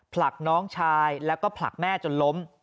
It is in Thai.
ผลักน้องชายแล้วก็ผลักแม่จนล้ม